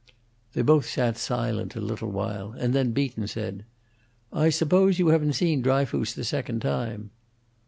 They both sat silent a little while, and then Beaton said, "I suppose you haven't seen Dryfoos the second time?"